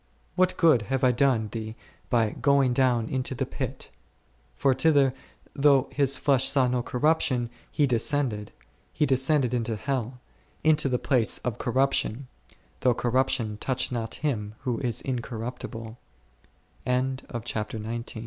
what good have I done thee by going down into the pit ? For thither, though His flesh saw no corruption, He descended ; He descended into hell, into the place of corruption, though corruption touched not Him who